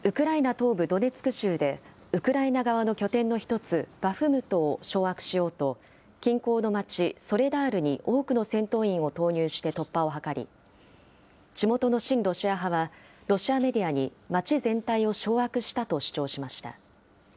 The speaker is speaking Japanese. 東部ドネツク州で、ウクライナ側の拠点の一つ、バフムトを掌握しようと、近郊の町ソレダールに多くの戦闘員を投入して突破を図り、地元の親ロシア派は、ロシアメディアに町全体を掌握したと主張しました。